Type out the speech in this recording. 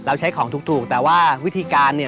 ใช้ของถูกแต่ว่าวิธีการเนี่ย